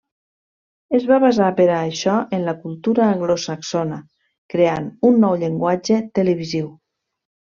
Es va basar per a això en la cultura anglosaxona, creant un nou llenguatge televisiu.